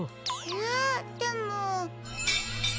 えっでも。